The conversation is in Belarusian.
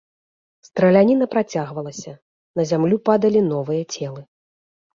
Страляніна працягвалася, на зямлю падалі новыя целы.